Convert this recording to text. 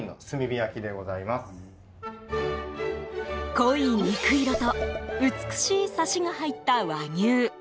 濃い肉色と美しいサシが入った和牛。